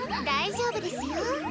大丈夫ですよ。